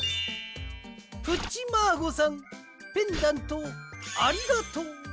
「プッチマーゴさんペンダントをありがとう」。